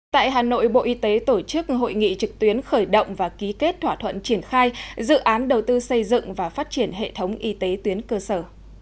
tại hà nội bộ y tế tổ chức hội nghị trực tuyến khởi động và ký kết thỏa thuận triển khai dự án đầu tư xây dựng và phát triển hệ thống y tế tuyến cơ sở